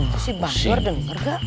itu si bang mer dan berga